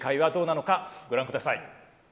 ご覧ください。